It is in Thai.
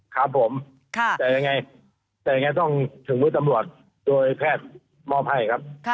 ครับผมแต่อย่างไรต้องถึงมุษย์ตำรวจโดยแพทย์มอบให้ครับ